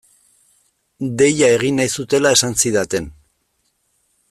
Deia egin nahi zutela esan zidaten.